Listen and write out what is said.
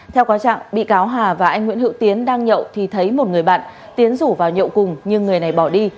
theo cáo trạng bị cáo hà và anh nguyễn hữu tiến đang nhậu thì thấy một người bạn tiến rủ vào nhậu cùng nhưng người này bỏ đi